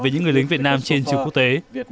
với những người lính việt nam trên trường quốc tế